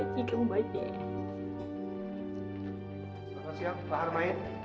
selamat siang pak harmaid